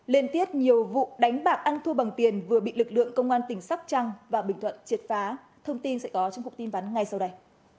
liên tiếp nhiều vụ đánh bạc ăn thua bằng tiền vừa bị lực lượng công an tỉnh sóc trăng và bình thuận triệt phá thông tin sẽ có trong cụm tin vắn ngay sau đây